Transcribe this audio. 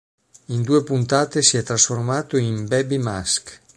In due puntate si è trasformato in "Baby Mask".